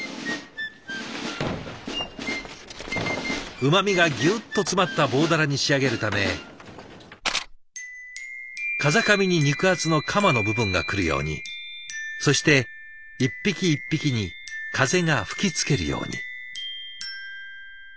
うまみがギュッと詰まった棒鱈に仕上げるため風上に肉厚のカマの部分が来るようにそして一匹一匹に風が吹きつけるように。